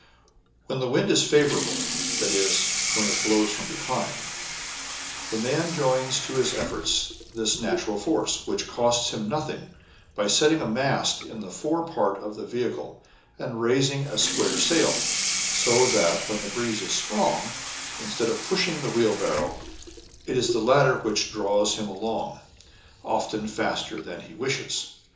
When the wind is favorable, — that is, when it blows from behind, — man joins to his efforts this natural force, which costs him nothing, by setting a mast in the fore part of the vehicle, and raising a square sail ; so that, when the breeze is strong, instead of pushing the wheel barrow, it is the latter which draws him along, — often faster than he wishes.